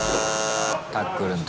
タックルの時。